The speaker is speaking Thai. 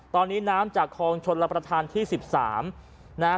ตอนนี้น้ำจากคลองชนรับประทานที่๑๓นะฮะ